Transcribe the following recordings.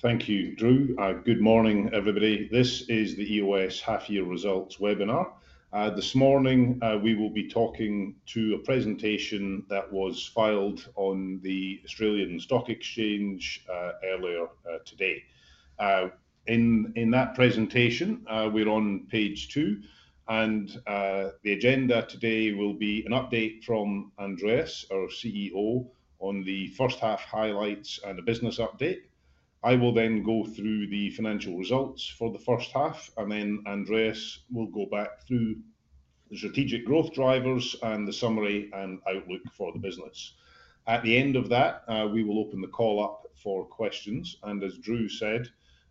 Thank you, Drew. Good morning, everybody. This is the EOS Half Year Results webinar. This morning, we will be talking to a presentation that was filed on the Australian Stock Exchange earlier today. In that presentation, we're on page two, and the agenda today will be an update from Andreas, our CEO, on the first half highlights and a business update. I will then go through the financial results for the first half, and then Andreas will go back through the strategic growth drivers and the summary and outlook for the business. At the end of that, we will open the call up for questions, and as Drew said,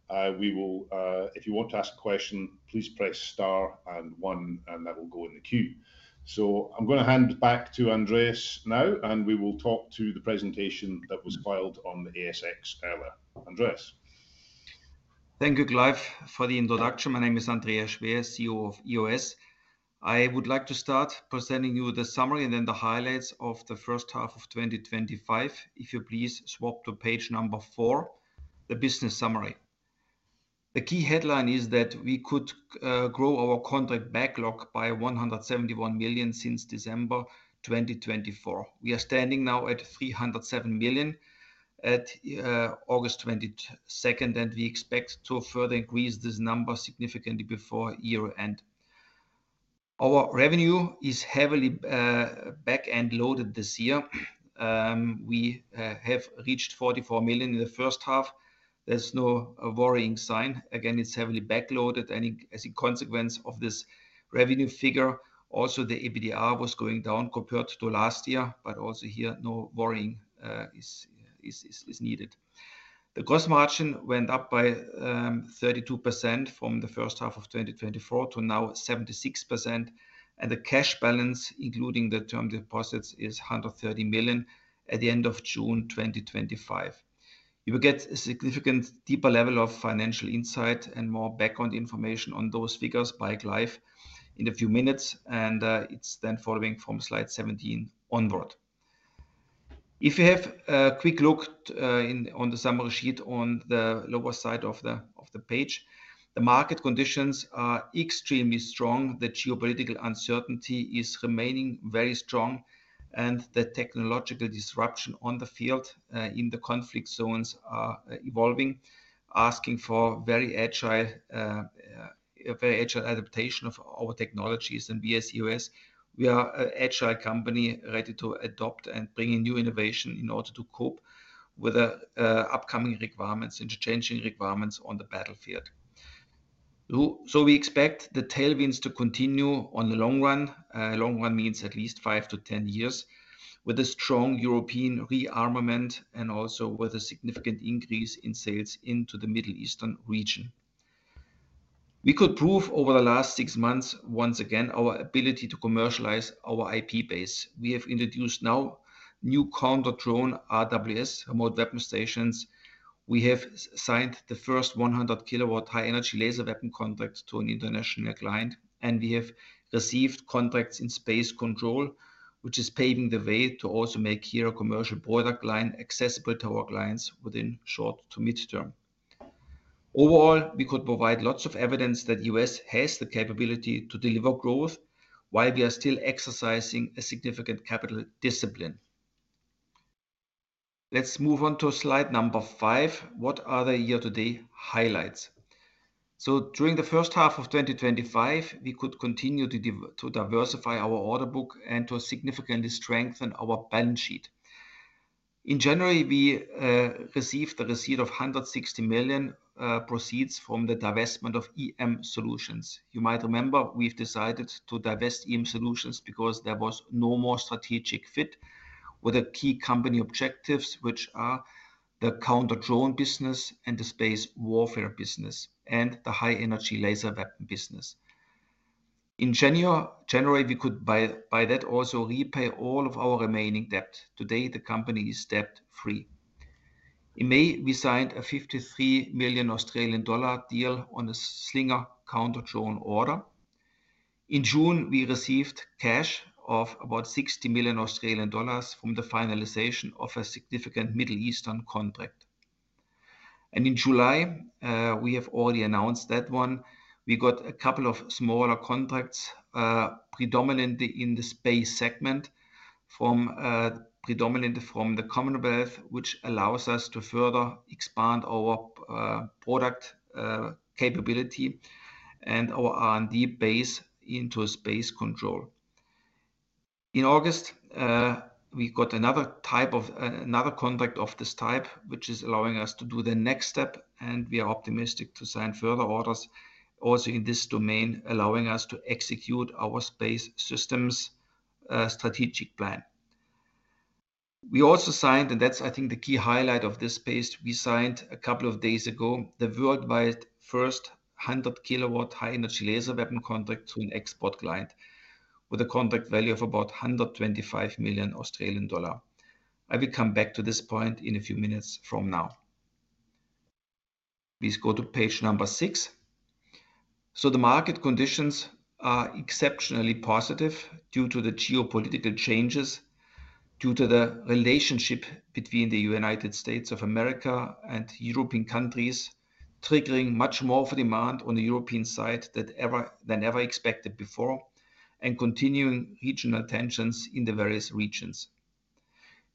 if you want to ask a question, please press star and one, and that will go in the queue. I am going to hand it back to Andreas now, and we will talk to the presentation that was filed on the ASX. Andreas? Thank you, Clive, for the introduction. My name is Andreas Schwer, CEO of EOS. I would like to start by presenting you the summary and then the highlights of the first half of 2025. If you please swap to page number four, the business summary. The key headline is that we could grow our contract backlog by 171 million since December 2024. We are standing now at 307 million at August 22, and we expect to further increase this number significantly before year-end. Our revenue is heavily back-end loaded this year. We have reached 44 million in the first half. There's no worrying sign. Again, it's heavily back-loaded, and as a consequence of this revenue figure, also the EBITDA was going down compared to last year, but also here, no worrying is needed. The gross margin went up by 32% from the first half of 2024 to now 76%, and the cash balance, including the term deposits, is 130 million at the end of June 2025. You will get a significant deeper level of financial insight and more background information on those figures by Clive in a few minutes, and it's then following from slide 17 onward. If you have a quick look on the summary sheet on the lower side of the page, the market conditions are extremely strong. The geopolitical uncertainty is remaining very strong, and the technological disruption on the field in the conflict zones is evolving, asking for very agile adaptation of our technologies and VSEOS. We are an agile company ready to adopt and bring in new innovation in order to cope with the upcoming requirements and changing requirements on the battlefield. We expect the tailwinds to continue on the long run. Long run means at least five to ten years with a strong European rearmament and also with a significant increase in sales into the Middle Eastern region. We could prove over the last six months, once again, our ability to commercialize our IP base. We have introduced now new counter-drone remote weapon systems. We have signed the first 100-kW high-energy laser weapon contracts to an international client, and we have received contracts in space control, which is paving the way to also make here a commercial border client accessible to our clients within short to mid-term. Overall, we could provide lots of evidence that EOS has the capability to deliver growth while we are still exercising a significant capital discipline. Let's move on to slide number five. What are the year-to-date highlights? During the first half of 2025, we could continue to diversify our order book and to significantly strengthen our balance sheet. In January, we received a receipt of 160 million proceeds from the divestment of EM Solutions. You might remember we've decided to divest EM Solutions because there was no more strategic fit with the key company objectives, which are the counter-drone business, the space warfare business, and the high-energy laser weapon business. In January, we could by that also repay all of our remaining debt. Today, the company is debt-free. In May, we signed a 53 million Australian dollar deal on a Slinger counter-drone order. In June, we received cash of about 60 million Australian dollars from the finalization of a significant Middle Eastern contract. In July, we have already announced that one. We got a couple of smaller contracts, predominantly in the space segment, predominantly from the Commonwealth, which allows us to further expand our product capability and our R&D base into space control. In August, we got another contract of this type, which is allowing us to do the next step, and we are optimistic to sign further orders also in this domain, allowing us to execute our space systems strategic plan. We also signed, and that's, I think, the key highlight of this space. We signed a couple of days ago the worldwide first 100-kW high-energy laser weapon contract to an export client with a contract value of about 125 million Australian dollar. I will come back to this point in a few minutes from now. Please go to page number six. The market conditions are exceptionally positive due to the geopolitical changes, due to the relationship between the United States of America and European countries, triggering much more demand on the European side than ever expected before, and continuing regional tensions in the various regions.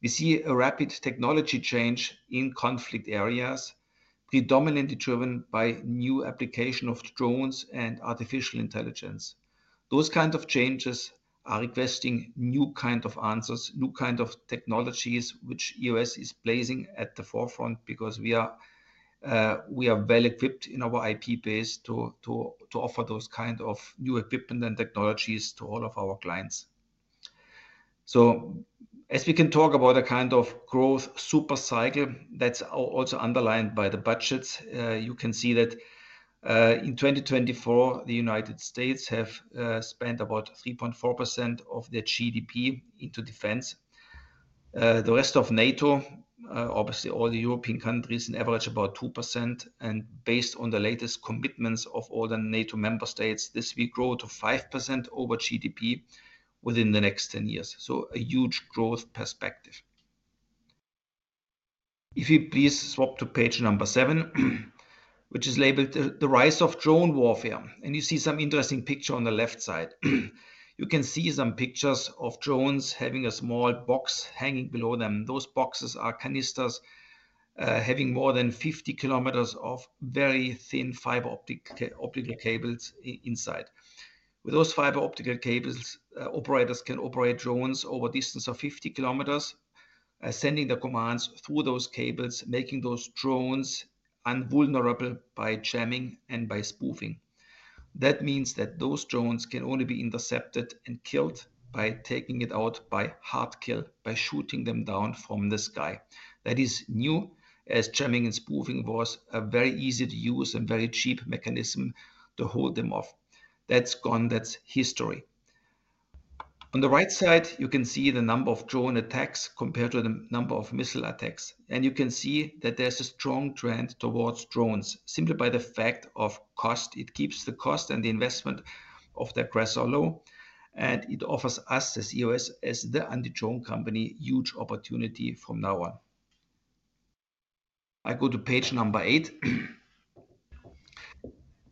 We see a rapid technology change in conflict areas, predominantly driven by new application of drones and artificial intelligence. Those kinds of changes are requesting new kinds of answers, new kinds of technologies, which EOS is placing at the forefront because we are well equipped in our IP base to offer those kinds of new equipment and technologies to all of our clients. We can talk about a kind of growth supercycle that's also underlined by the budgets. You can see that in 2024, the United States has spent about 3.4% of their GDP into defense. The rest of NATO, obviously all the European countries, average about 2%, and based on the latest commitments of all the NATO member states, this will grow to 5% over GDP within the next 10 years. A huge growth perspective. If you please swap to page number seven, which is labeled the rise of drone warfare, you see some interesting picture on the left side. You can see some pictures of drones having a small box hanging below them. Those boxes are canisters having more than 50 kilometers of very thin fiber optical cables inside. With those fiber optical cables, operators can operate drones over a distance of 50 kilometers, sending the commands through those cables, making those drones invulnerable by jamming and by spoofing. That means that those drones can only be intercepted and killed by taking it out by hard kill, by shooting them down from the sky. That is new, as jamming and spoofing was a very easy to use and very cheap mechanism to hold them off. That's gone. That's history. On the right side, you can see the number of drone attacks compared to the number of missile attacks, and you can see that there's a strong trend towards drones, simply by the fact of cost. It keeps the cost and the investment of the aggressor low, and it offers us as EOS, as the anti-drone company, a huge opportunity from now on. I go to page number eight.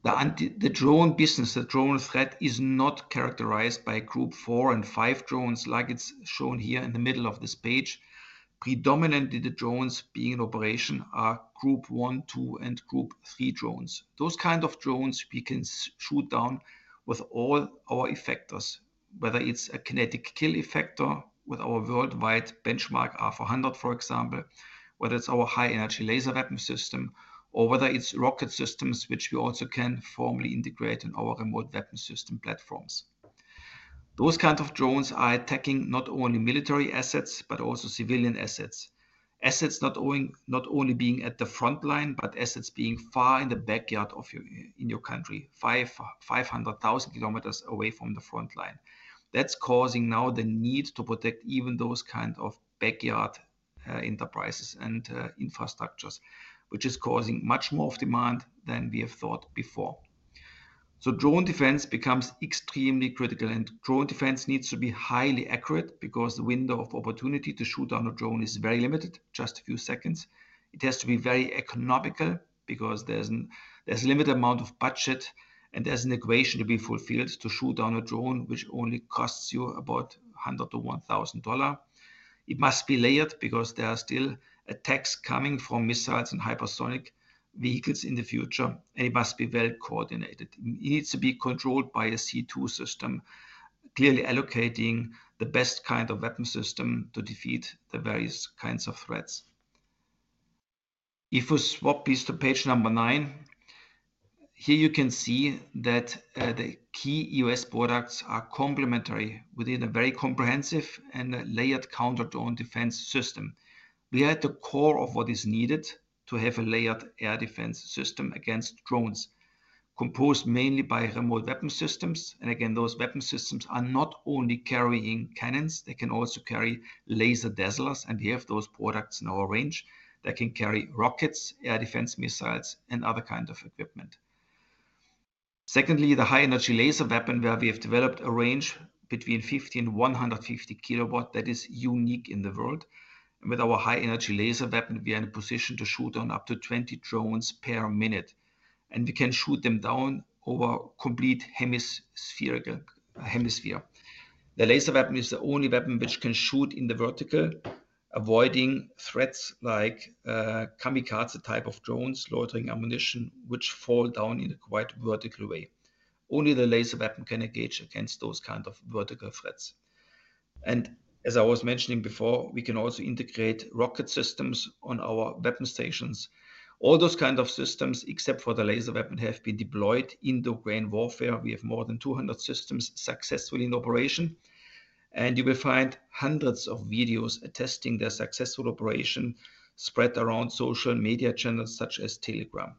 The drone business, the drone threat is not characterized by group four and five drones, like it's shown here in the middle of this page. Predominantly, the drones being in operation are group one, two, and group three drones. Those kinds of drones we can shoot down with all our effectors, whether it's a kinetic kill effector with our worldwide benchmark R400, for example, whether it's our high-energy laser weapon system, or whether it's rocket systems, which we also can formally integrate in our remote weapon system platforms. Those kinds of drones are attacking not only military assets, but also civilian assets. Assets not only being at the front line, but assets being far in the backyard of your country, 500,000 kilometers away from the front line. That's causing now the need to protect even those kinds of backyard enterprises and infrastructures, which is causing much more of demand than we have thought before. Drone defense becomes extremely critical, and drone defense needs to be highly accurate because the window of opportunity to shoot down a drone is very limited, just a few seconds. It has to be very economical because there's a limited amount of budget, and there's an equation to be fulfilled to shoot down a drone, which only costs you about AUD 100-AUD 1,000. It must be layered because there are still attacks coming from missiles and hypersonic vehicles in the future, and it must be well coordinated. It needs to be controlled by a C2 system, clearly allocating the best kind of weapon system to defeat the various kinds of threats. If we swap these to page number nine, here you can see that the key EOS products are complementary within a very comprehensive and layered counter-drone defense system. We are at the core of what is needed to have a layered air defense system against drones, composed mainly by remote weapon systems. Those weapon systems are not only carrying cannons, they can also carry laser dozers, and we have those products in our range that can carry rockets, air defense missiles, and other kinds of equipment. Secondly, the high-energy laser weapon, where we have developed a range between 50 and 150 kW, that is unique in the world. With our high-energy laser weapon, we are in a position to shoot down up to 20 drones per minute, and we can shoot them down over a complete hemisphere. The laser weapon is the only weapon which can shoot in the vertical, avoiding threats like kamikaze type of drones loitering ammunition, which fall down in a quite vertical way. Only the laser weapon can engage against those kinds of vertical threats. As I was mentioning before, we can also integrate rocket systems on our weapon stations. All those kinds of systems, except for the laser weapon, have been deployed in the grain warfare. We have more than 200 systems successfully in operation, and you will find hundreds of videos attesting their successful operation spread around social media channels such as Telegram.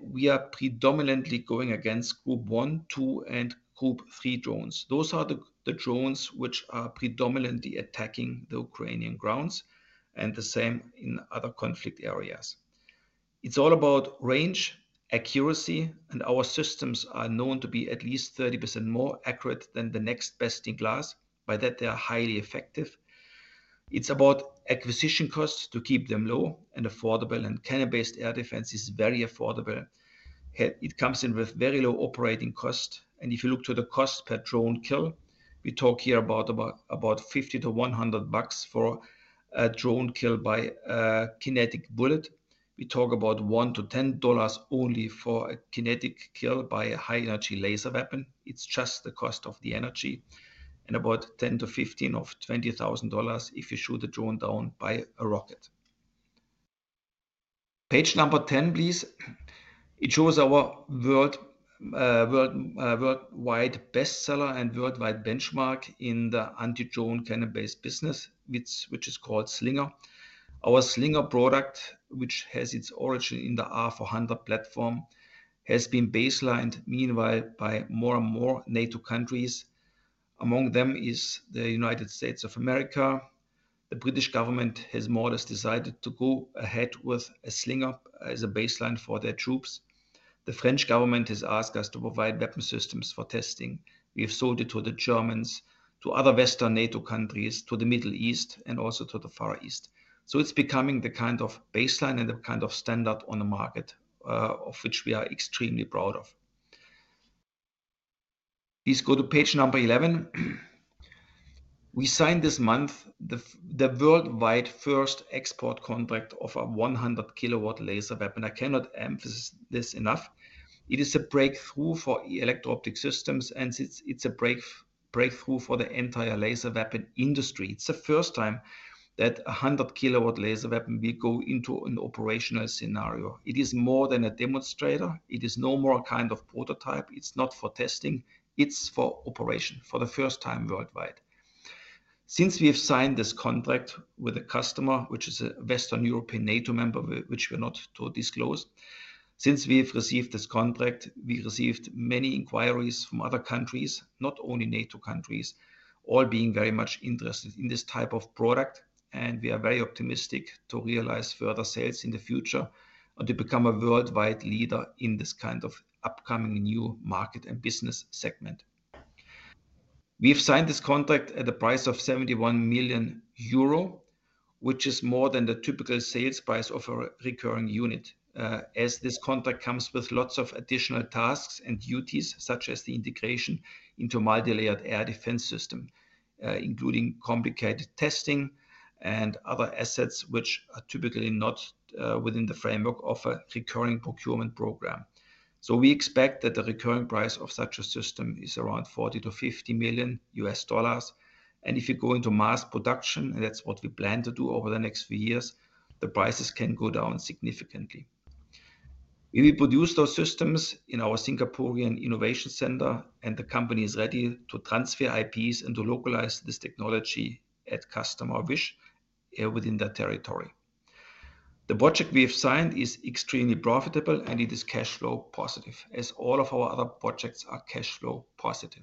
We are predominantly going against group one, two, and group three drones. Those are the drones which are predominantly attacking the Ukrainian grounds and the same in other conflict areas. It's all about range, accuracy, and our systems are known to be at least 30% more accurate than the next best-in-class. By that, they are highly effective. It's about acquisition costs to keep them low and affordable, and cannon-based air defense is very affordable. It comes in with very low operating costs, and if you look to the cost per drone kill, we talk here about about 50-100 bucks for a drone kill by a kinetic bullet. We talk about 1-10 dollars only for a kinetic kill by a high-energy laser weapon. It's just the cost of the energy and about 10,000-15,000 or 20,000 dollars if you shoot a drone down by a rocket. Page number 10, please. It shows our worldwide bestseller and worldwide benchmark in the anti-drone cannon-based business, which is called Slinger. Our Slinger product, which has its origin in the R400 platform, has been baselined meanwhile by more and more NATO countries. Among them is the United States of America. The British government has more or less decided to go ahead with Slinger as a baseline for their troops. The French government has asked us to provide weapon systems for testing. We have sold it to the Germans, to other Western NATO countries, to the Middle East, and also to the Far East. It is becoming the kind of baseline and the kind of standard on the market, of which we are extremely proud. Please go to page number 11. We signed this month the worldwide first export contract of a 100-kW high-energy laser weapon system. I cannot emphasize this enough. It is a breakthrough for Electro Optic Systems Holdings Limited, and it's a breakthrough for the entire laser weapon industry. It's the first time that a 100-kW high-energy laser weapon system will go into an operational scenario. It is more than a demonstrator. It is no more a kind of prototype. It's not for testing. It's for operation for the first time worldwide. Since we have signed this contract with a customer, which is a Western European NATO member, which we are not to disclose, since we have received this contract, we received many inquiries from other countries, not only NATO countries, all being very much interested in this type of product, and we are very optimistic to realize further sales in the future and to become a worldwide leader in this kind of upcoming new market and business segment. We've signed this contract at the price of 71 million euro, which is more than the typical sales price of a recurring unit, as this contract comes with lots of additional tasks and duties, such as the integration into a multi-layered air defense system, including complicated testing and other assets, which are typically not within the framework of a recurring procurement program. We expect that the recurring price of such a system is around $40 million-$50 million, and if you go into mass production, which is what we plan to do over the next few years, the prices can go down significantly. We will produce those systems in our Singaporean innovation center, and the company is ready to transfer IPs and to localize this technology at customer wish within their territory. The budget we have signed is extremely profitable, and it is cash flow positive, as all of our other projects are cash flow positive.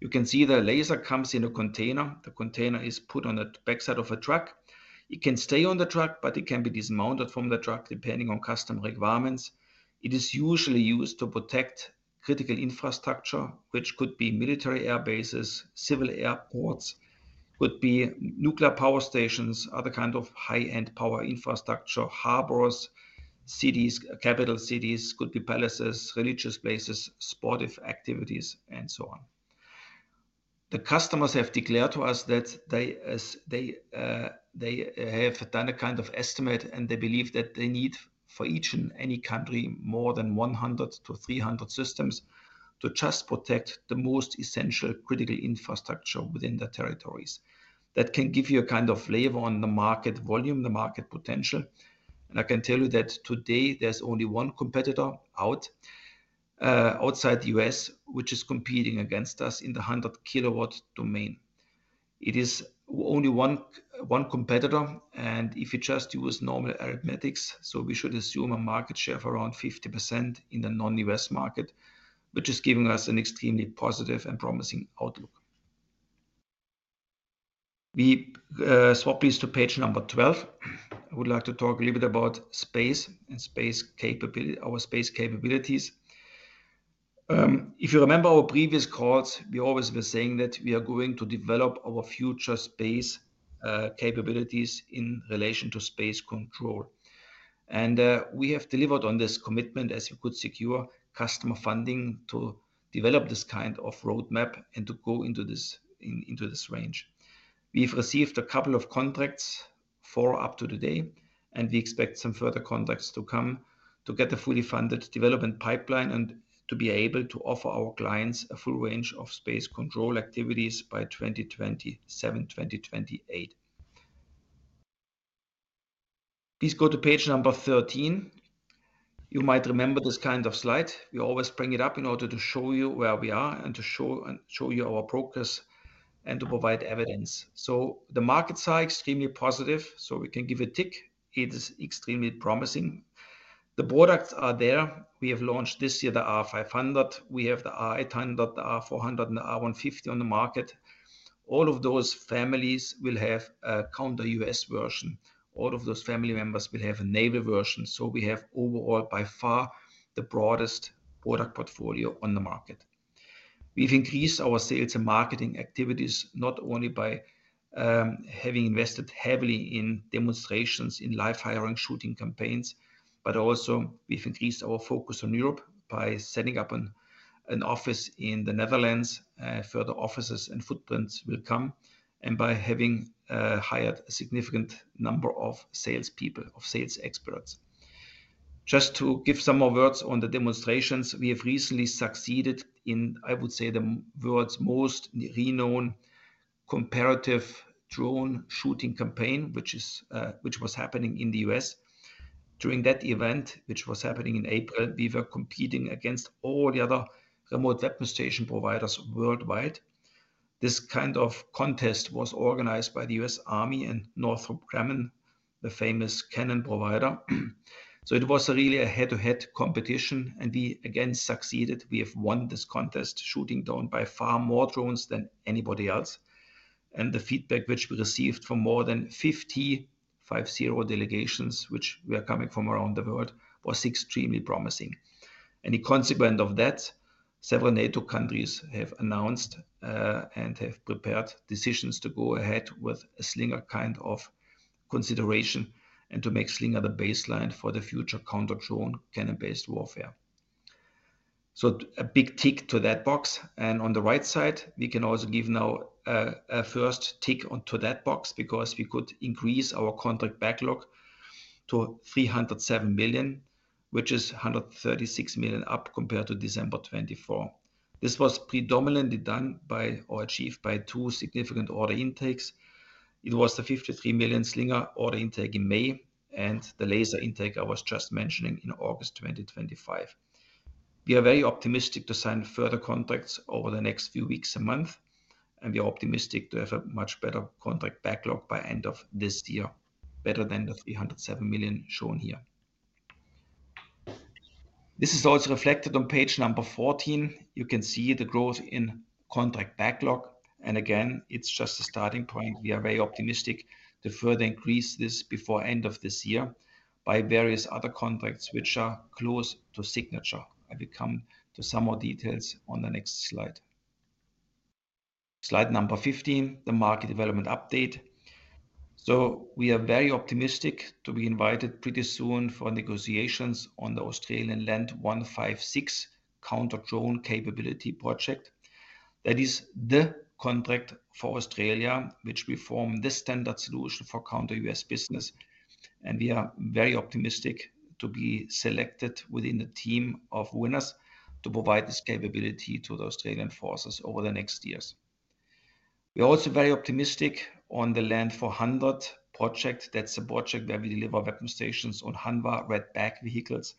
You can see the laser comes in a container. The container is put on the backside of a truck. It can stay on the truck, but it can be dismounted from the truck depending on custom requirements. It is usually used to protect critical infrastructure, which could be military air bases, civil airports, nuclear power stations, other kinds of high-end power infrastructure, harbors, cities, capital cities, palaces, religious places, sportive activities, and so on. The customers have declared to us that they have done a kind of estimate, and they believe that they need for each and any country more than 100-300 systems to just protect the most essential critical infrastructure within the territories. That can give you a kind of flavor on the market volume, the market potential, and I can tell you that today there's only one competitor outside the U.S., which is competing against us in the 100-kW domain. It is only one competitor, and if you just use normal arithmetics, we should assume a market share of around 50% in the non-U.S. market, which is giving us an extremely positive and promising outlook. Please swap these to page number 12. I would like to talk a little bit about space and space capability, our space capabilities. If you remember our previous calls, we always were saying that we are going to develop our future space capabilities in relation to space control, and we have delivered on this commitment as we could secure customer funding to develop this kind of roadmap and to go into this range. We've received a couple of contracts for up to today, and we expect some further contracts to come to get a fully funded development pipeline and to be able to offer our clients a full range of space control activities by 2027-2028. Please go to page number 13. You might remember this kind of slide. We always bring it up in order to show you where we are and to show you our progress and to provide evidence. The markets are extremely positive, so we can give a tick. It is extremely promising. The products are there. We have launched this year the R500. We have the R800, the R400, and the R150 on the market. All of those families will have a counter U.S. version. All of those family members will have a naval version. We have overall by far the broadest product portfolio on the market. We've increased our sales and marketing activities not only by having invested heavily in demonstrations in live firing shooting campaigns, but also we've increased our focus on Europe by setting up an office in the Netherlands. Further offices and footprints will come, and by having hired a significant number of salespeople, of sales experts. To give some more words on the demonstrations, we have recently succeeded in, I would say, the world's most renowned comparative drone shooting campaign, which was happening in the U.S. During that event, which was happening in April, we were competing against all the other remote weapon station providers worldwide. This kind of contest was organized by the U.S. Army and Northrop Grumman, the famous cannon provider. It was really a head-to-head competition, and we again succeeded. We have won this contest shooting down by far more drones than anybody else, and the feedback which we received from more than 50 delegations, which were coming from around the world, was extremely promising. As a consequence of that, several NATO countries have announced and have prepared decisions to go ahead with a Slinger kind of consideration and to make Slinger the baseline for the future counter-drone cannon-based warfare. A big tick to that box. On the right side, we can also give now a first tick onto that box because we could increase our contract backlog to 307 million, which is 136 million up compared to December 2024. This was predominantly done by or achieved by two significant order intakes. It was the 53 million Slinger order intake in May and the laser intake I was just mentioning in August 2025. We are very optimistic to sign further contracts over the next few weeks and months, and we are optimistic to have a much better contract backlog by the end of this year, better than the 307 million shown here. This is also reflected on page number 14. You can see the growth in contract backlog, and again, it's just a starting point. We are very optimistic to further increase this before the end of this year by various other contracts which are close to signature. I will come to some more details on the next slide. Slide number 15, the market development update. We are very optimistic to be invited pretty soon for negotiations on the Australian Land 156 counter-drone capability project. That is the contract for Australia, which we form this standard solution for counter-UAS business, and we are very optimistic to be selected within the team of winners to provide this capability to the Australian forces over the next years. We are also very optimistic on the Land 400 project. That's a project where we deliver weapon stations on Hanwha Redback vehicles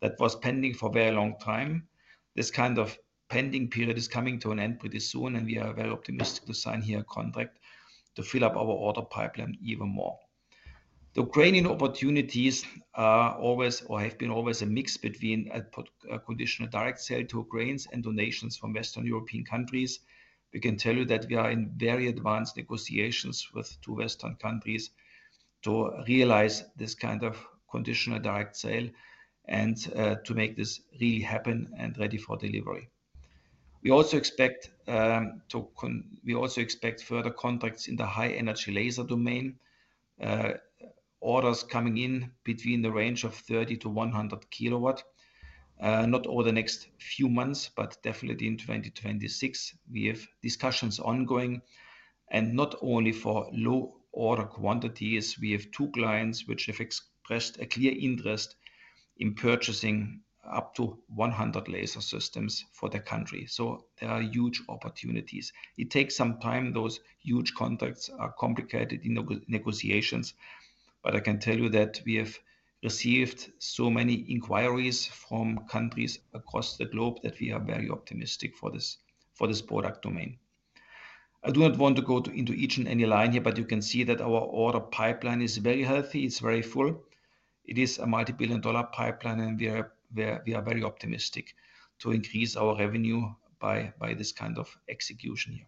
that was pending for a very long time. This kind of pending period is coming to an end pretty soon, and we are very optimistic to sign here a contract to fill up our order pipeline even more. The Ukrainian opportunities are always or have been always a mix between a conditional direct sale to Ukraine and donations from Western European countries. We can tell you that we are in very advanced negotiations with two Western countries to realize this kind of conditional direct sale and to make this really happen and ready for delivery. We also expect further contracts in the high-energy laser domain, orders coming in between the range of 30-100 kW, not over the next few months, but definitely into 2026. We have discussions ongoing, and not only for low order quantities. We have two clients which have expressed a clear interest in purchasing up to 100 laser systems for their country. There are huge opportunities. It takes some time. Those huge contracts are complicated in negotiations, but I can tell you that we have received so many inquiries from countries across the globe that we are very optimistic for this product domain. I do not want to go into each and any line here, but you can see that our order pipeline is very healthy. It's very full. It is a multi-billion dollar pipeline, and we are very optimistic to increase our revenue by this kind of execution here.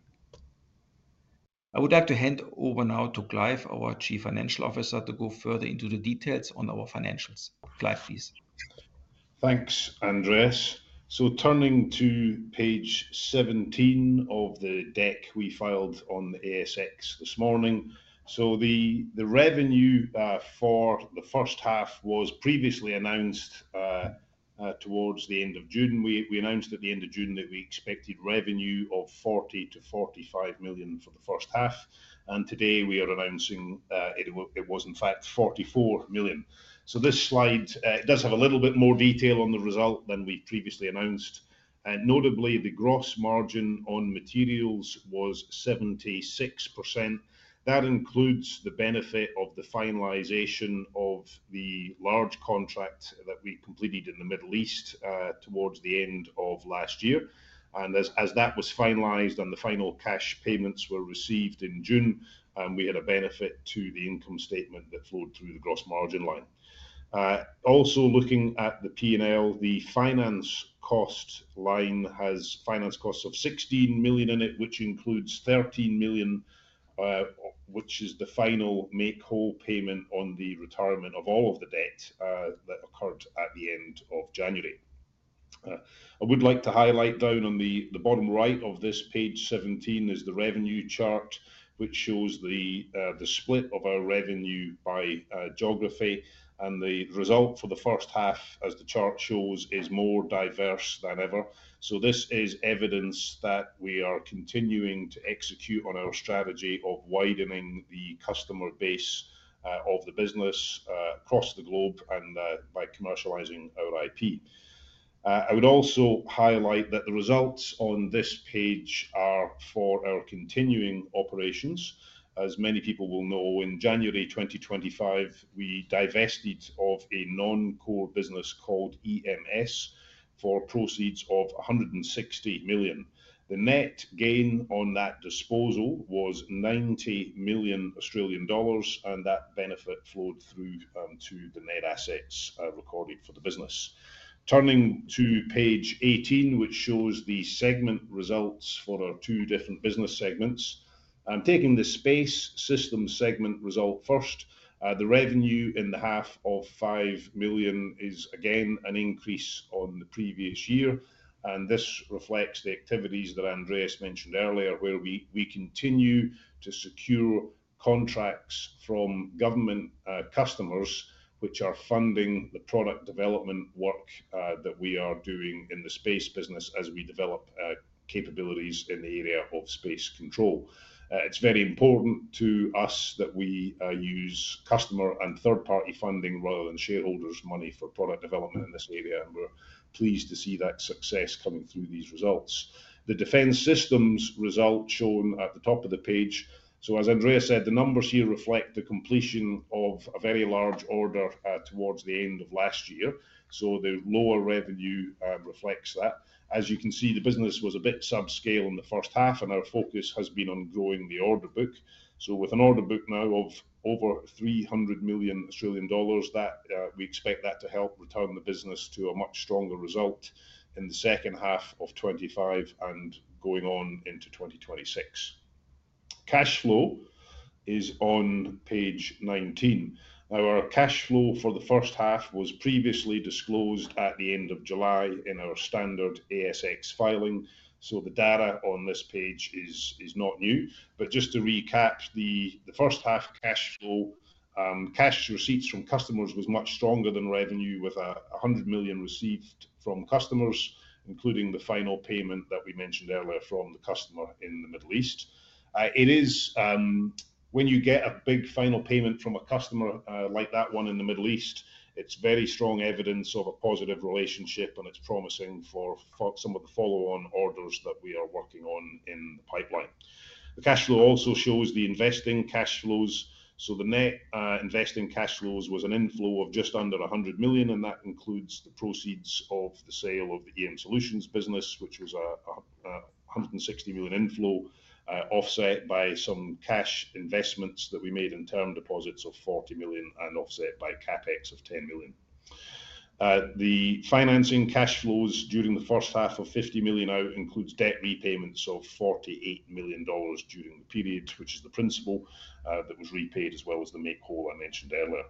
I would like to hand over now to Clive, our Chief Financial Officer, to go further into the details on our financials. Clive, please. Thanks, Andreas. Turning to page 17 of the deck we filed on the ASX this morning, the revenue for the first half was previously announced towards the end of June. We announced at the end of June that we expected revenue of 40 million-45 million for the first half, and today we are announcing it was, in fact, 44 million. This slide does have a little bit more detail on the result than we previously announced. Notably, the gross margin on materials was 76%. That includes the benefit of the finalization of the large contract that we completed in the Middle East towards the end of last year. As that was finalized and the final cash payments were received in June, we had a benefit to the income statement that flowed through the gross margin line. Also, looking at the P&L, the finance cost line has finance costs of 16 million in it, which includes 13 million, which is the final make-whole payment on the retirement of all of the debt that occurred at the end of January. I would like to highlight down on the bottom right of this page 17 is the revenue chart, which shows the split of our revenue by geography, and the result for the first half, as the chart shows, is more diverse than ever. This is evidence that we are continuing to execute on our strategy of widening the customer base of the business across the globe and by commercializing our IP. I would also highlight that the results on this page are for our continuing operations. As many people will know, in January 2025, we divested a non-core business called EM Solutions for proceeds of 160 million. The net gain on that disposal was 90 million Australian dollars, and that benefit flowed through to the net assets recorded for the business. Turning to page 18, which shows the segment results for our two different business segments, I'm taking the space system segment result first. The revenue in the half of 5 million is again an increase on the previous year, and this reflects the activities that Andreas mentioned earlier, where we continue to secure contracts from government customers, which are funding the product development work that we are doing in the space business as we develop capabilities in the area of space control. It's very important to us that we use customer and third-party funding rather than shareholders' money for product development in this area, and we're pleased to see that success coming through these results. The defense systems result shown at the top of the page. As Andreas said, the numbers here reflect the completion of a very large order towards the end of last year. The lower revenue reflects that. As you can see, the business was a bit subscale in the first half, and our focus has been on growing the order book. With an order book now of over 300 million Australian dollars, we expect that to help return the business to a much stronger result in the second half of 2025 and going on into 2026. Cash flow is on page 19. Our cash flow for the first half was previously disclosed at the end of July in our standard ASX filing. The data on this page is not new. Just to recap, the first half cash flow, cash receipts from customers was much stronger than revenue, with 100 million received from customers, including the final payment that we mentioned earlier from the customer in the Middle East. When you get a big final payment from a customer like that one in the Middle East, it's very strong evidence of a positive relationship, and it's promising for some of the follow-on orders that we are working on in the pipeline. The cash flow also shows the investing cash flows. The net investing cash flows was an inflow of just under 100 million, and that includes the proceeds of the sale of the EM Solutions business, which was a 160 million inflow, offset by some cash investments that we made in term deposits of 40 million and offset by CapEx of 10 million. The financing cash flows during the first half of 50 million out include debt repayments of 48 million dollars during the period, which is the principal that was repaid as well as the make-whole I mentioned earlier.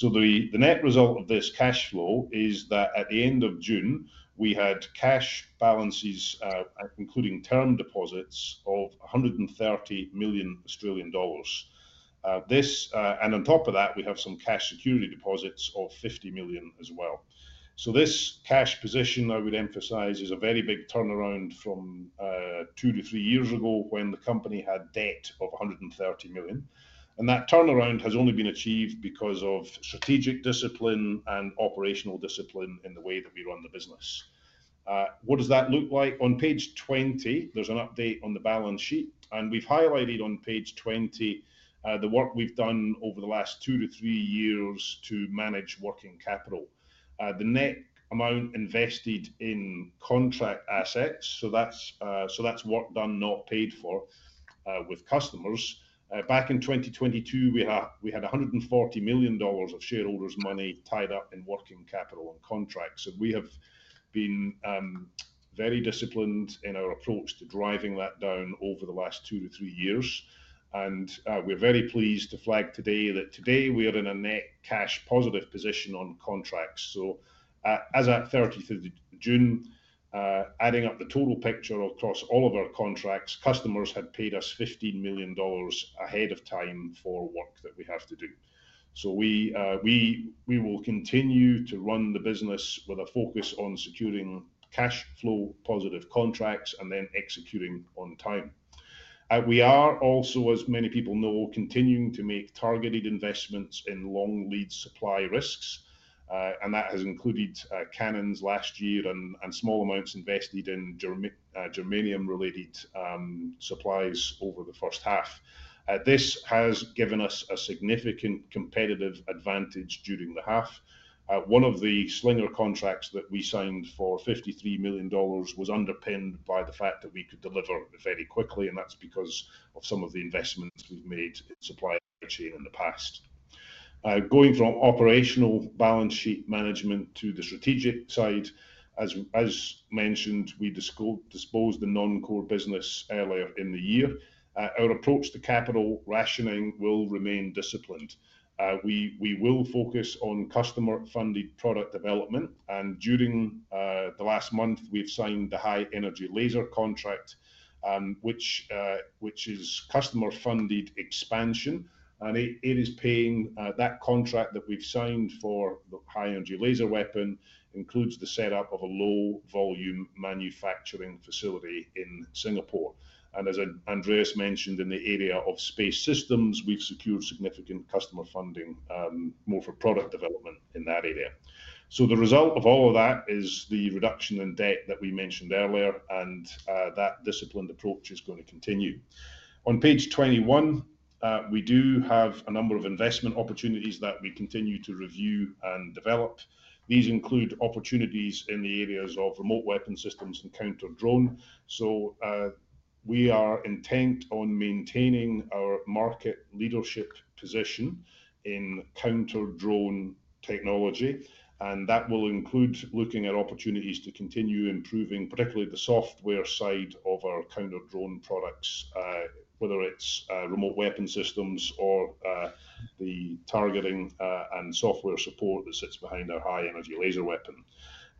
The net result of this cash flow is that at the end of June, we had cash balances, including term deposits, of 130 million Australian dollars. On top of that, we have some cash security deposits of 50 million as well. This cash position, I would emphasize, is a very big turnaround from two to three years ago when the company had debt of 130 million. That turnaround has only been achieved because of strategic discipline and operational discipline in the way that we run the business. What does that look like? On page 20, there's an update on the balance sheet, and we've highlighted on page 20 the work we've done over the last two to three years to manage working capital. The net amount invested in contract assets, so that's work done not paid for with customers. Back in 2022, we had 140 million dollars of shareholders' money tied up in working capital and contracts. We have been very disciplined in our approach to driving that down over the last two to three years. We are very pleased to flag today that we are in a net cash positive position on contracts. As at 30th of June, adding up the total picture across all of our contracts, customers had paid us 15 million dollars ahead of time for work that we have to do. We will continue to run the business with a focus on securing cash flow positive contracts and then executing on time. We are also, as many people know, continuing to make targeted investments in long lead supply risks, and that has included cannons last year and small amounts invested in germanium-related supplies over the first half. This has given us a significant competitive advantage during the half. One of the Slinger contracts that we signed for 53 million dollars was underpinned by the fact that we could deliver very quickly, and that's because of some of the investments we've made in supply chain in the past. Going from operational balance sheet management to the strategic side, as mentioned, we disposed the non-core business earlier in the year. Our approach to capital rationing will remain disciplined. We will focus on customer-funded product development. During the last month, we've signed the high-energy laser contract, which is customer-funded expansion, and it is paying that contract that we've signed for the high-energy laser weapon includes the setup of a low-volume manufacturing facility in Singapore. As Andreas mentioned, in the area of space systems, we've secured significant customer funding more for product development in that area. The result of all of that is the reduction in debt that we mentioned earlier, and that disciplined approach is going to continue. On page 21, we do have a number of investment opportunities that we continue to review and develop. These include opportunities in the areas of remote weapon systems and counter drone. We are intent on maintaining our market leadership position in counter drone technology, and that will include looking at opportunities to continue improving, particularly the software side of our counter drone products, whether it's remote weapon systems or the targeting and software support that sits behind our high-energy laser weapon.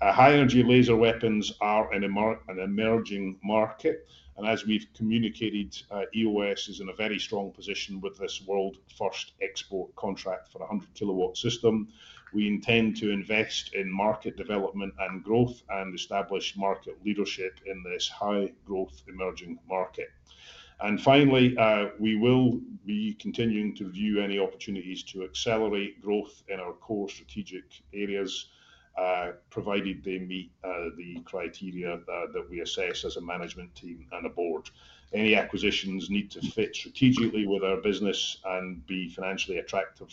High-energy laser weapons are an emerging market, and as we've communicated, EOS is in a very strong position with this world-first export contract for a 100-kW system. We intend to invest in market development and growth and establish market leadership in this high-growth emerging market. Finally, we will be continuing to view any opportunities to accelerate growth in our core strategic areas, provided they meet the criteria that we assess as a management team and a board. Any acquisitions need to fit strategically with our business and be financially attractive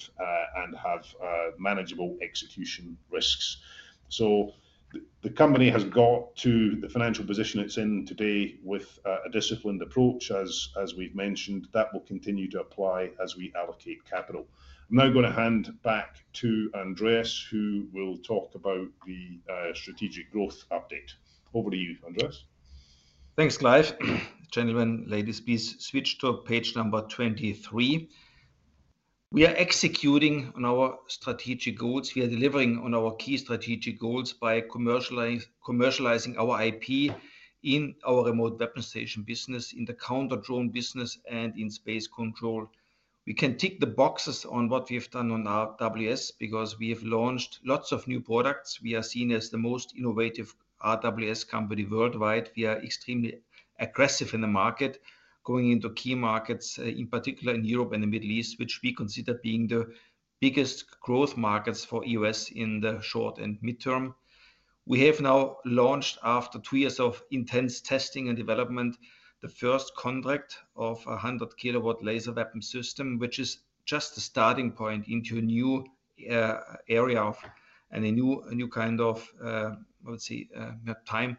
and have manageable execution risks. The company has got to the financial position it's in today with a disciplined approach, as we've mentioned, that will continue to apply as we allocate capital. I'm now going to hand back to Andreas, who will talk about the strategic growth update. Over to you, Andreas. Thanks, Clive. Gentlemen, ladies, please switch to page number 23. We are executing on our strategic goals. We are delivering on our key strategic goals by commercializing our IP in our remote weapon systems business, in the counter-drone business, and in space control. We can tick the boxes on what we have done on RWS because we have launched lots of new products. We are seen as the most innovative RWS company worldwide. We are extremely aggressive in the market, going into key markets, in particular in Europe and the Middle East, which we consider being the biggest growth markets for EOS in the short and mid-term. We have now launched, after two years of intense testing and development, the first contract of a 100-kW high-energy laser weapon system, which is just a starting point into a new area and a new kind of, I would say, time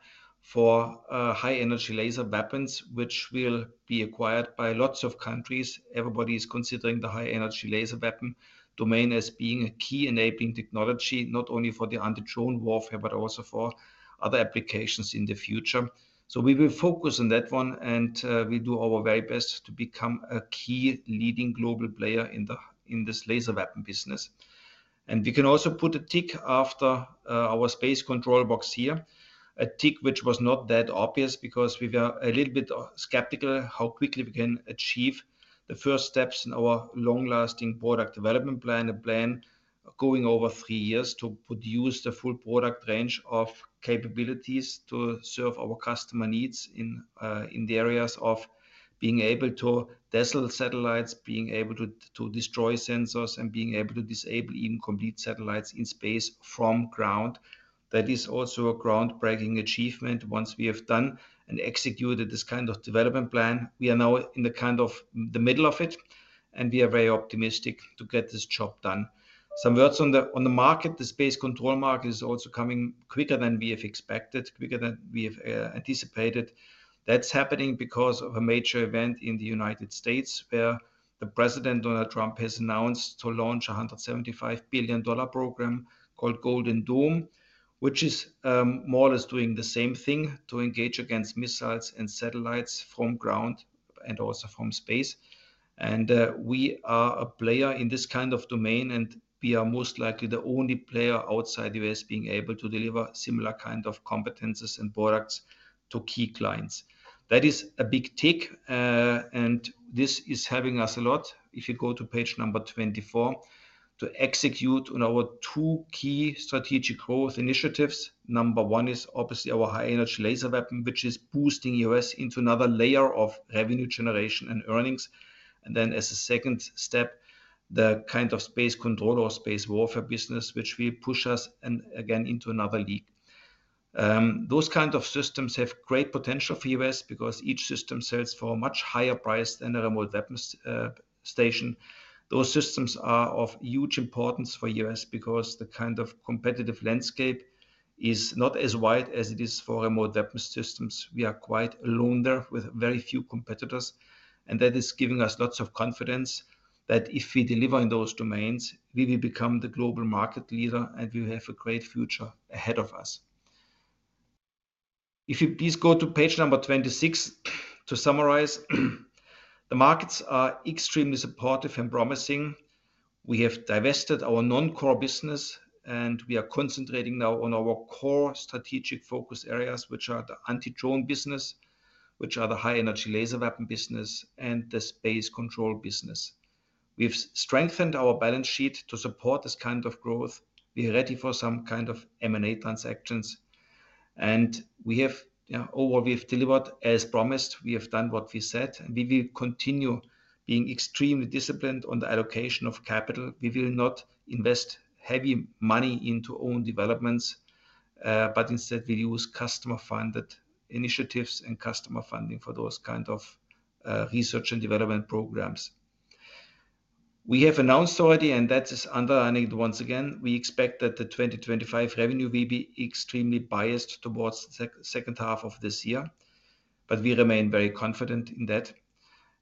for high-energy laser weapons, which will be acquired by lots of countries. Everybody is considering the high-energy laser weapon domain as being a key enabling technology, not only for the anti-drone warfare, but also for other applications in the future. We will focus on that one, and we'll do our very best to become a key leading global player in this laser weapon business. We can also put a tick after our space control box here, a tick which was not that obvious because we were a little bit skeptical how quickly we can achieve the first steps in our long-lasting product development plan, a plan going over three years to produce the full product range of capabilities to serve our customer needs in the areas of being able to dazzle satellites, being able to destroy sensors, and being able to disable even complete satellites in space from ground. That is also a groundbreaking achievement once we have done and executed this kind of development plan. We are now in the kind of the middle of it, and we are very optimistic to get this job done. Some words on the market: the space control market is also coming quicker than we have expected, quicker than we have anticipated. That's happening because of a major event in the United States where the President, Donald Trump, has announced to launch a $175 billion program called Golden Dome, which is more or less doing the same thing to engage against missiles and satellites from ground and also from space. We are a player in this kind of domain, and we are most likely the only player outside the U.S. being able to deliver similar kinds of competencies and products to key clients. That is a big tick, and this is helping us a lot. If you go to page number 24, to execute on our two key strategic growth initiatives, number one is obviously our high-energy laser weapon, which is boosting us into another layer of revenue generation and earnings. As a second step, the kind of space control or space warfare business will push us again into another league. Those kinds of systems have great potential for us because each system sells for a much higher price than a remote weapon system. Those systems are of huge importance for us because the kind of competitive landscape is not as wide as it is for remote weapon systems. We are quite alone there with very few competitors, and that is giving us lots of confidence that if we deliver in those domains, we will become the global market leader and we will have a great future ahead of us. If you please go to page number 26 to summarize, the markets are extremely supportive and promising. We have divested our non-core business, and we are concentrating now on our core strategic focus areas, which are the anti-drone business, the high-energy laser weapon business, and the space control business. We've strengthened our balance sheet to support this kind of growth. We're ready for some kind of M&A transactions, and overall, we've delivered as promised. We have done what we said, and we will continue being extremely disciplined on the allocation of capital. We will not invest heavy money into own developments, but instead, we use customer-funded initiatives and customer funding for those kinds of research and development programs. We have announced already, and that is underlining it once again. We expect that the 2025 revenue will be extremely biased towards the second half of this year, but we remain very confident in that,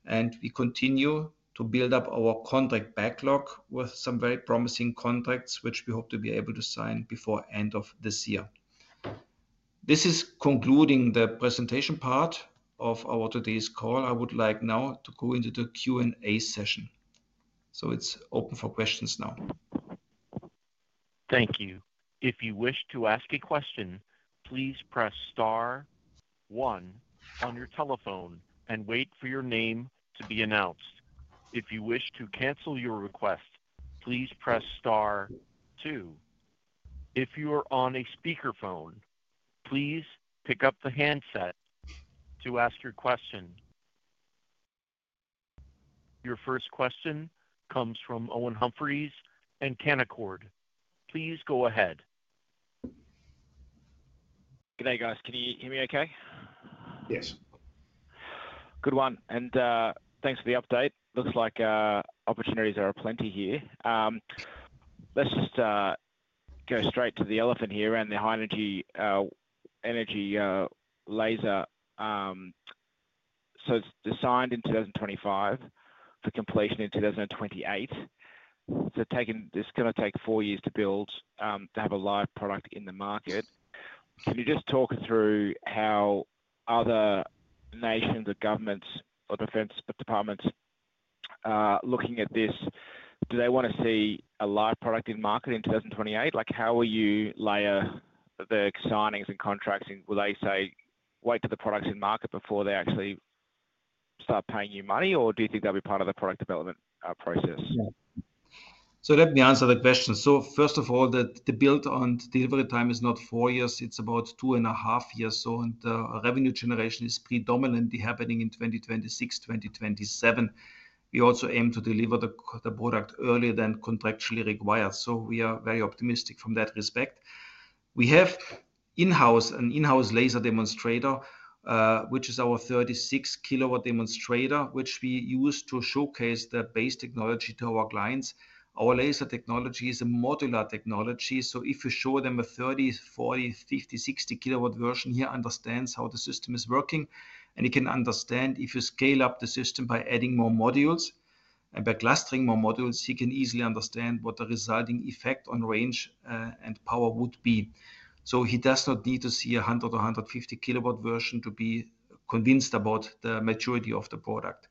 and we continue to build up our contract backlog with some very promising contracts, which we hope to be able to sign before the end of this year. This is concluding the presentation part of our today's call. I would like now to go into the Q&A session. It's open for questions now. Thank you. If you wish to ask a question, please press star one on your telephone and wait for your name to be announced. If you wish to cancel your request, please press star two. If you are on a speakerphone, please pick up the handset to ask your question. Your first question comes from Owen Humphries at Canaccord. Please go ahead. Good day, guys. Can you hear me okay? Yes. Good one. Thanks for the update. Looks like opportunities are plenty here. Let's just go straight to the elephant here, the high-energy laser, so it's designed in 2025 for completion in 2028. Taken this is going to take four years to build to have a live product in the market. Can you just talk us through how other nations or governments or defense departments are looking at this? Do they want to see a live product in market in 2028? How will you layer the signings and contracts? Will they say, "Wait till the product's in market before they actually start paying you money?" Do you think that'll be part of the product development process? Let me answer the question. First of all, the build-on delivery time is not four years. It's about two and a half years. The revenue generation is predominantly happening in 2026, 2027. We also aim to deliver the product earlier than contractually required. We are very optimistic from that respect. We have an in-house laser demonstrator, which is our 36-kW demonstrator, which we use to showcase the base technology to our clients. Our laser technology is a modular technology. If you show them a 30, 40, 50, 60-kW version, he understands how the system is working, and he can understand if you scale up the system by adding more modules and by clustering more modules, he can easily understand what the resulting effect on range and power would be. He does not need to see a 100 or 150-kW version to be convinced about the maturity of the product.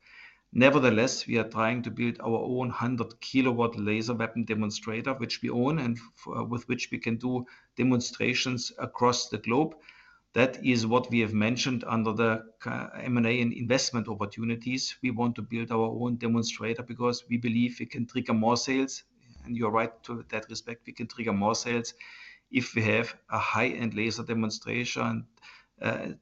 Nevertheless, we are trying to build our own 100-kW high-energy laser weapon demonstrator, which we own and with which we can do demonstrations across the globe. That is what we have mentioned under the M&A and investment opportunities. We want to build our own demonstrator because we believe it can trigger more sales, and you're right to that respect. We can trigger more sales if we have a high-end laser demonstration,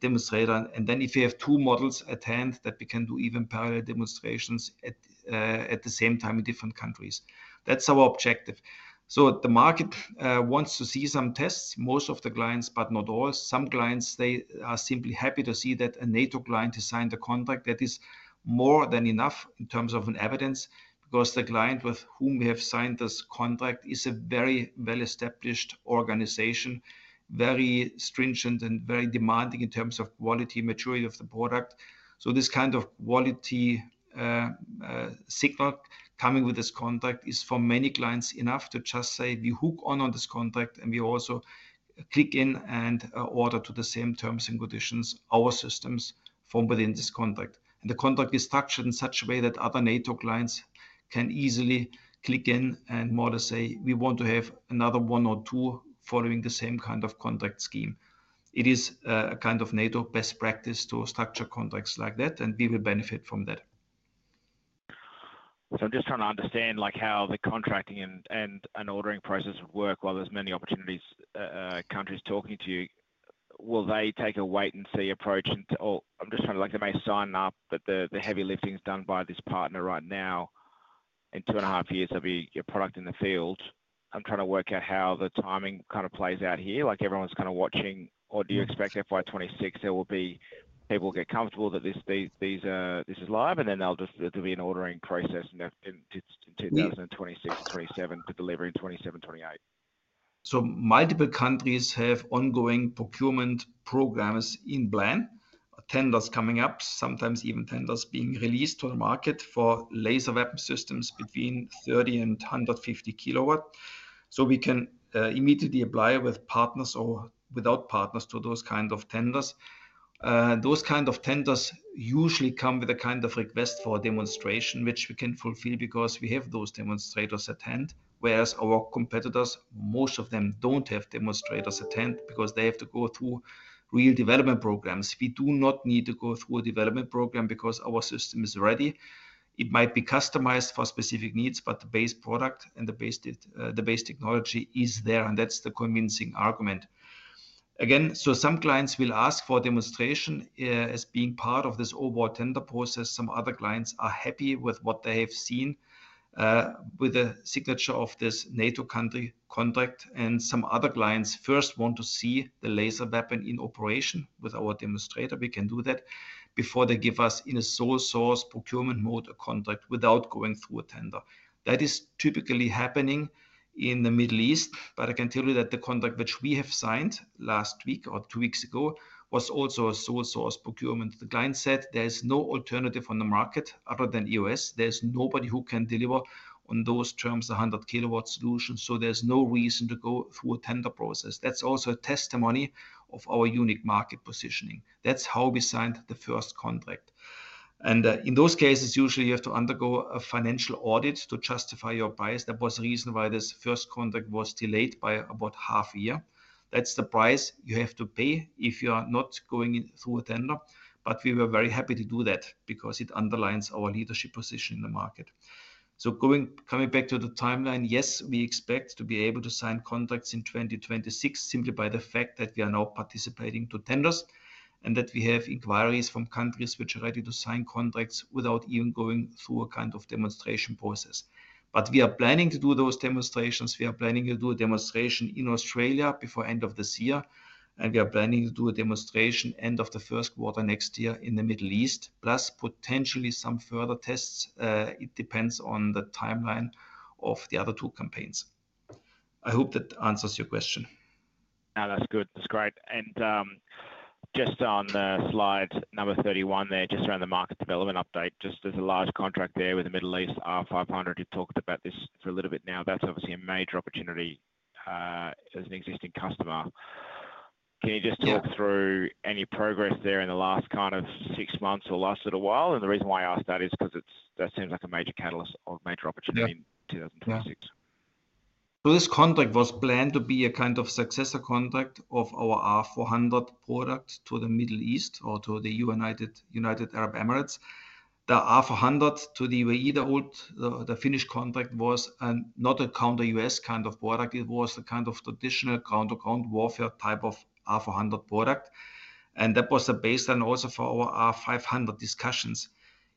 demonstrator, and then if we have two models at hand that we can do even parallel demonstrations at the same time in different countries. That's our objective. The market wants to see some tests, most of the clients, but not all. Some clients are simply happy to see that a NATO client has signed a contract. That is more than enough in terms of evidence because the client with whom we have signed this contract is a very well-established organization, very stringent and very demanding in terms of quality and maturity of the product. This kind of quality signal coming with this contract is for many clients enough to just say we hook on this contract and we also click in and order to the same terms and conditions our systems from within this contract. The contract is structured in such a way that other NATO clients can easily click in and say we want to have another one or two following the same kind of contract scheme. It is a kind of NATO best practice to structure contracts like that, and we will benefit from that. I'm just trying to understand how the contracting and ordering process would work while there are many opportunities, countries talking to you. Will they take a wait-and-see approach? I'm just trying to see if they may sign up, but the heavy lifting is done by this partner right now. In two and a half years, there'll be your product in the field. I'm trying to work out how the timing plays out here. Like everyone's kind of watching, or do you expect FY 2026 there will be people getting comfortable that this is live, and then there'll be an ordering process in 2026-2027 to deliver in 2027-2028? Multiple countries have ongoing procurement programs in plan, tenders coming up, sometimes even tenders being released to the market for laser weapon systems between 30 and 150 kW. We can immediately apply with partners or without partners to those kinds of tenders. Those kinds of tenders usually come with a kind of request for demonstration, which we can fulfill because we have those demonstrators at hand, whereas our competitors, most of them don't have demonstrators at hand because they have to go through real development programs. We do not need to go through a development program because our system is ready. It might be customized for specific needs, but the base product and the base technology is there, and that's the convincing argument. Some clients will ask for demonstration as being part of this overall tender process. Some other clients are happy with what they have seen with the signature of this NATO country contract, and some other clients first want to see the laser weapon in operation with our demonstrator. We can do that before they give us in a sole source procurement mode a contract without going through a tender. That is typically happening in the Middle East. I can tell you that the contract which we have signed last week or two weeks ago was also a sole source procurement. The client said there is no alternative on the market other than EOS. There's nobody who can deliver on those terms, 100-kW solutions, so there's no reason to go through a tender process. That's also a testimony of our unique market positioning. That's how we signed the first contract. In those cases, usually you have to undergo a financial audit to justify your bias. That was the reason why this first contract was delayed by about half a year. That's the price you have to pay if you are not going through a tender, but we were very happy to do that because it underlines our leadership position in the market. Coming back to the timeline, yes, we expect to be able to sign contracts in 2026 simply by the fact that we are now participating to tenders and that we have inquiries from countries which are ready to sign contracts without even going through a kind of demonstration process. We are planning to do those demonstrations. We are planning to do a demonstration in Australia before the end of this year, and we are planning to do a demonstration end of the first quarter next year in the Middle East, plus potentially some further tests. It depends on the timeline of the other two campaigns. I hope that answers your question. No, that's good. That's great. Just on the slide number 31 there, just around the market development update, there's a large contract there with the Middle East R500. You talked about this for a little bit now. That's obviously a major opportunity as an existing customer. Can you just talk through any progress there in the last kind of six months or last little while? The reason why I asked that is because that seems like a major catalyst or major opportunity in 2026. This contract was planned to be a kind of successor contract of our R400 product to the Middle East or to the United Arab Emirates. The R400 to the UAE, the old finished contract, was not a counter-U.S. kind of product. It was a kind of traditional counter-counter warfare type of R400 product, and that was the baseline also for our R500 discussions.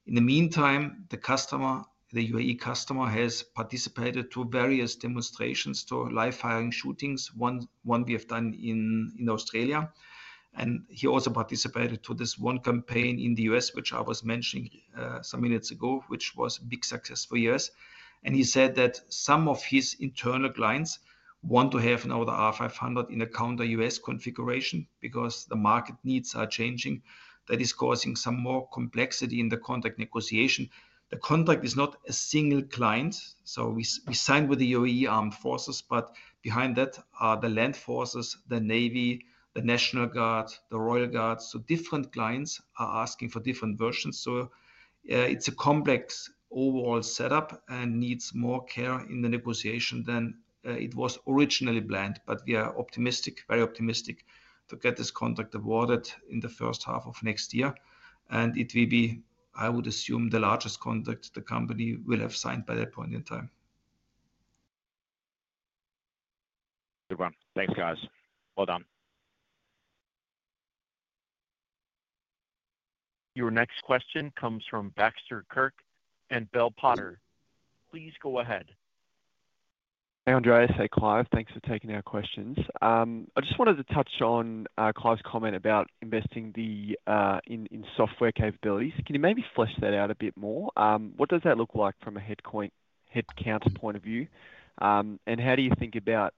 In the meantime, the customer, the UAE customer, has participated in various demonstrations to live firing shootings. One we have done in Australia, and he also participated in this one campaign in the U.S., which I was mentioning some minutes ago, which was a big success for the U.S. He said that some of his internal clients want to have another R500 in a counter-U.S. configuration because the market needs are changing. That is causing some more complexity in the contract negotiation. The contract is not a single client. We signed with the UAE Armed Forces, but behind that are the Land Forces, the Navy, the National Guards, the Royal Guards. Different clients are asking for different versions. It is a complex overall setup and needs more care in the negotiation than it was originally planned. We are optimistic, very optimistic to get this contract awarded in the first half of next year, and it will be, I would assume, the largest contract the company will have signed by that point in time. Good one. Thanks, guys. Well done. Your next question comes from Baxter Kirk at Bell Potter. Please go ahead. Hey, Andreas. Hey, Clive. Thanks for taking our questions. I just wanted to touch on Clive's comment about investing in software capabilities. Can you maybe flesh that out a bit more? What does that look like from a headcount point of view? How do you think about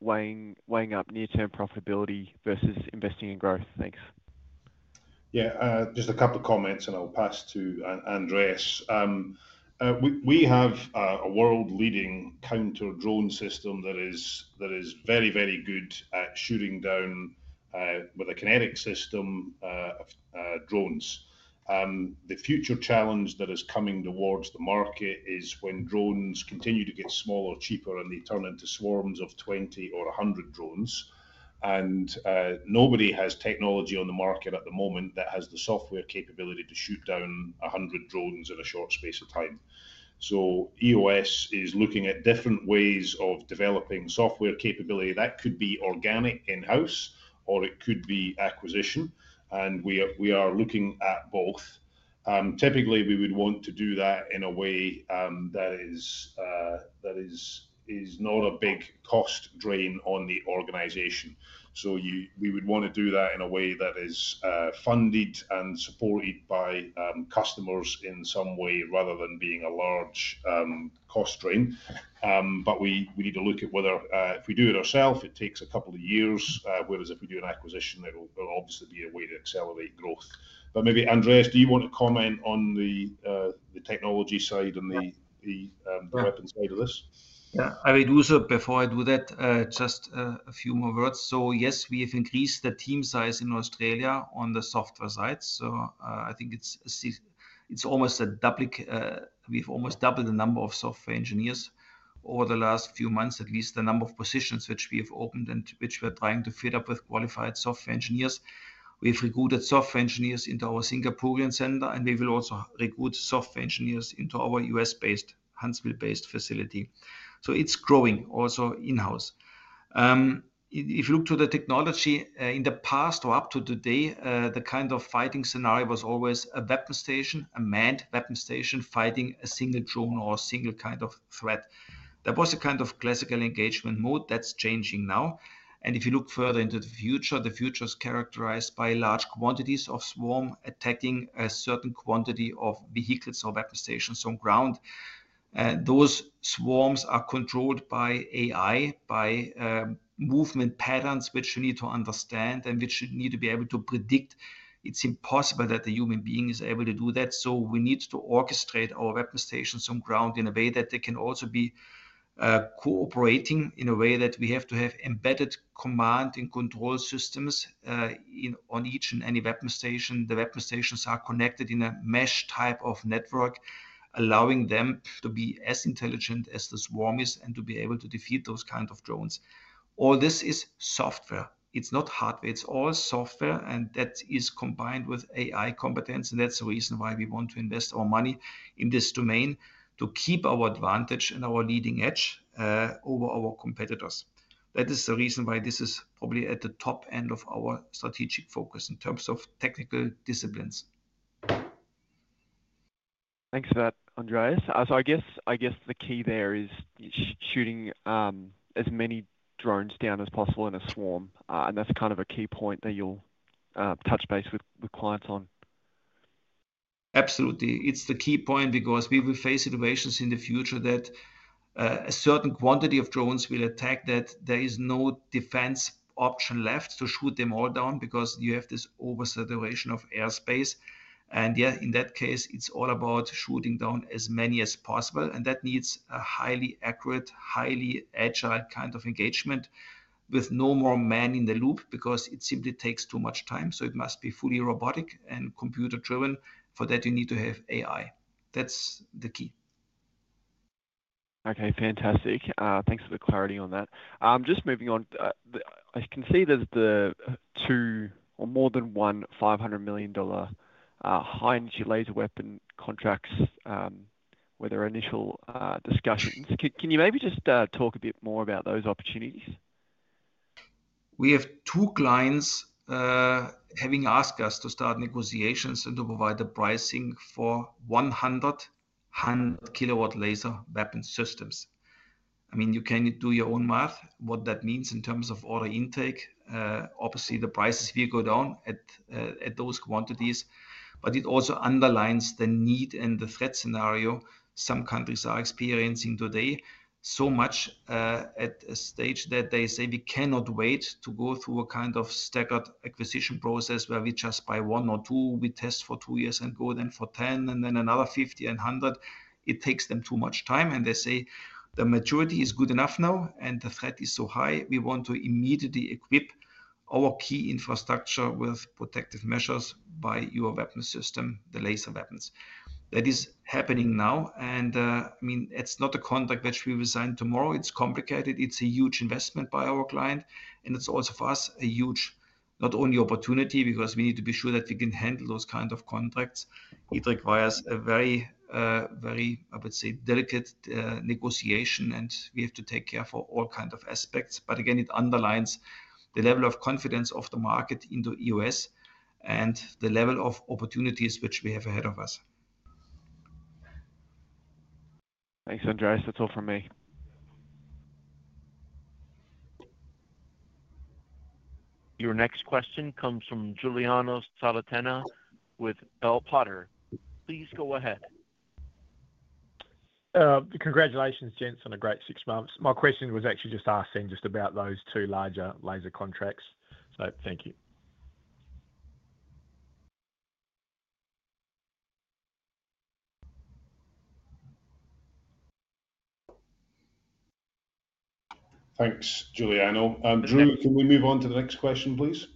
weighing up near-term profitability versus investing in growth? Thanks. Yeah, there's a couple of comments, and I'll pass to Andreas. We have a world-leading counter-drone system that is very, very good at shooting down with a kinetic system drones. The future challenge that is coming towards the market is when drones continue to get smaller and cheaper, and they turn into swarms of 20 or 100 drones. Nobody has technology on the market at the moment that has the software capability to shoot down 100 drones in a short space of time. EOS is looking at different ways of developing software capability. That could be organic in-house, or it could be acquisition, and we are looking at both. Typically, we would want to do that in a way that is not a big cost drain on the organization. We would want to do that in a way that is funded and supported by customers in some way, rather than being a large cost drain. We need to look at whether if we do it ourselves, it takes a couple of years, whereas if we do an acquisition, it'll obviously be a way to accelerate growth. Maybe, Andreas, do you want to comment on the technology side and the weapon side of this? Yeah, I will do, before I do that, just a few more words. Yes, we have increased the team size in Australia on the software side. I think it's almost a double. We've almost doubled the number of software engineers over the last few months, at least the number of positions which we have opened and which we are trying to fill up with qualified software engineers. We've recruited software engineers into our Singaporean center, and we will also recruit software engineers into our U.S.-based, Huntsville-based facility. It's growing also in-house. If you look to the technology in the past or up to today, the kind of fighting scenario was always a weapon station, a manned weapon station fighting a single drone or a single kind of threat. That was a kind of classical engagement mode. That's changing now. If you look further into the future, the future is characterized by large quantities of swarms attacking a certain quantity of vehicles or weapon stations on ground. Those swarms are controlled by AI, by movement patterns which you need to understand and which you need to be able to predict. It's impossible that the human being is able to do that. We need to orchestrate our weapon stations on ground in a way that they can also be cooperating in a way that we have to have embedded command and control systems on each and any weapon station. The weapon stations are connected in a mesh type of network, allowing them to be as intelligent as the swarm is and to be able to defeat those kinds of drones. All this is software. It's not hardware. It's all software, and that is combined with AI competence. That's the reason why we want to invest our money in this domain to keep our advantage and our leading edge over our competitors. That is the reason why this is probably at the top end of our strategic focus in terms of technical disciplines. Thanks for that, Andreas. I guess the key there is shooting as many drones down as possible in a swarm, and that's kind of a key point that you'll touch base with clients on. Absolutely. It's the key point because we will face situations in the future that a certain quantity of drones will attack, that there is no defense option left to shoot them all down because you have this oversaturation of airspace. In that case, it's all about shooting down as many as possible. That needs a highly accurate, highly agile kind of engagement with no more man in the loop because it simply takes too much time. It must be fully robotic and computer-driven. For that, you need to have AI. That's the key. Okay, fantastic. Thanks for the clarity on that. Just moving on, I can see there's the two or more than one 500 million dollar high-energy laser weapon contracts where there are initial discussions. Can you maybe just talk a bit more about those opportunities? We have two clients having asked us to start negotiations and to provide the pricing for 100-kW high-energy laser weapon systems. I mean, you can do your own math what that means in terms of order intake. Obviously, the price will go down at those quantities, but it also underlines the need and the threat scenario some countries are experiencing today so much at a stage that they say we cannot wait to go through a kind of staggered acquisition process where we just buy one or two, we test for two years and go then for 10, and then another 50 and 100. It takes them too much time, and they say the maturity is good enough now and the threat is so high, we want to immediately equip our key infrastructure with protective measures by your weapon system, the laser weapons. That is happening now. I mean, it's not a contract which we will sign tomorrow. It's complicated. It's a huge investment by our client, and it's also for us a huge, not only opportunity, because we need to be sure that we can handle those kinds of contracts. It requires a very, very, I would say, delicate negotiation, and we have to take care for all kinds of aspects. Again, it underlines the level of confidence of the market in the U.S. and the level of opportunities which we have ahead of us. Thanks, Andreas. That's all from me. Your next question comes from Giuliano Sala Tenna with Bell Potter. Please go ahead. Congratulations, James, on a great six months. My question was actually just about those two larger laser contracts. Thank you. Thanks, Giuliano. And Drew, can we move on to the next question, please?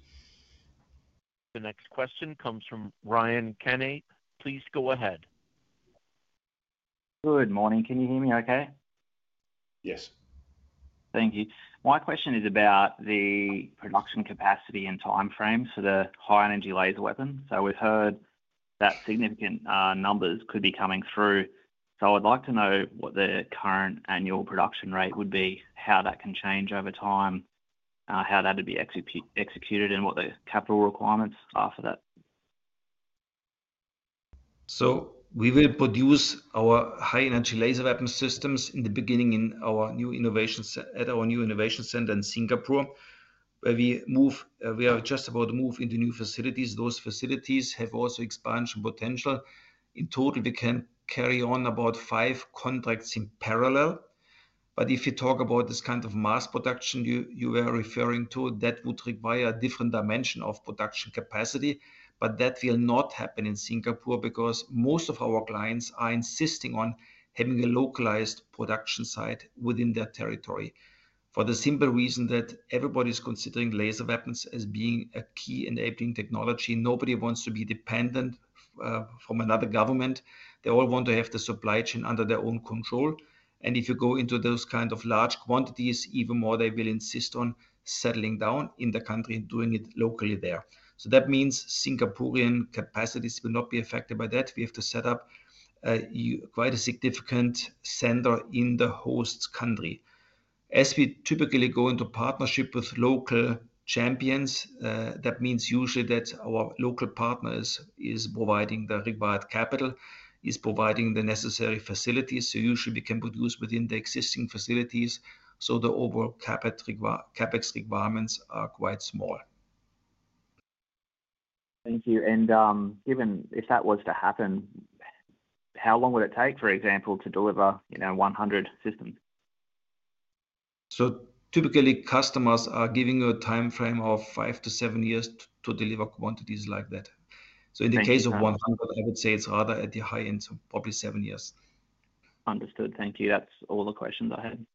The next question comes from Ryan Kenny. Please go ahead. Good morning. Can you hear me okay? Yes. Thank you. My question is about the production capacity and timeframes for the high-energy laser weapon. We've heard that significant numbers could be coming through. I would like to know what the current annual production rate would be, how that can change over time, how that would be executed, and what the capital requirements are for that. We will produce our high-energy laser weapon systems in the beginning in our new innovation center in Singapore, where we move. We are just about to move into new facilities. Those facilities have also expansion potential. In total, we can carry on about five contracts in parallel. If you talk about this kind of mass production you were referring to, that would require a different dimension of production capacity. That will not happen in Singapore because most of our clients are insisting on having a localized production site within their territory for the simple reason that everybody's considering laser weapons as being a key enabling technology. Nobody wants to be dependent from another government. They all want to have the supply chain under their own control. If you go into those kinds of large quantities, even more they will insist on settling down in the country and doing it locally there. That means Singaporean capacities will not be affected by that. We have to set up quite a significant center in the host country. As we typically go into partnership with local champions, that means usually that our local partners are providing the required capital, are providing the necessary facilities. Usually, we can produce within the existing facilities. The overall CapEx requirements are quite small. Thank you. If that was to happen, how long would it take, for example, to deliver 100 systems? Typically, customers are giving you a timeframe of five to seven years to deliver quantities like that. In the case of 100, I would say it's rather at the high end, probably seven years. Understood. Thank you. That's all the questions I had.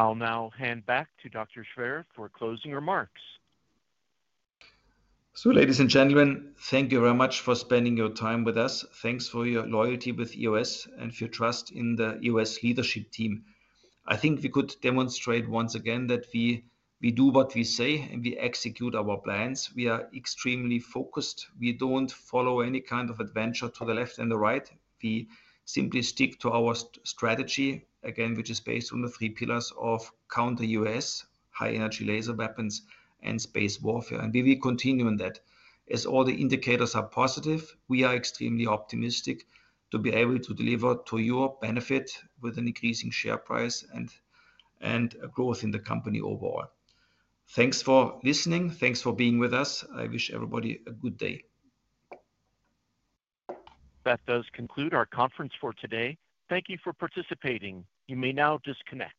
I'll now hand back to Dr. Schwer for closing remarks. Ladies and gentlemen, thank you very much for spending your time with us. Thanks for your loyalty with EOS and for your trust in the EOS leadership team. I think we could demonstrate once again that we do what we say and we execute our plans. We are extremely focused. We don't follow any kind of adventure to the left and the right. We simply stick to our strategy, which is based on the three pillars of counter-drone remote weapon systems, high-energy laser weapons, and space warfare. We will continue in that. As all the indicators are positive, we are extremely optimistic to be able to deliver to your benefit with an increasing share price and a growth in the company overall. Thanks for listening. Thanks for being with us. I wish everybody a good day. That does conclude our conference for today. Thank you for participating. You may now disconnect.